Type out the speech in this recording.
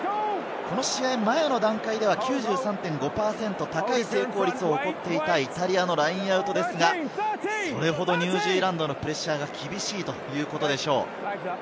この試合前の段階では９３．５％、高い成功率を誇っていたイタリアのラインアウトですが、それほどニュージーランドのプレッシャーが厳しいということでしょう。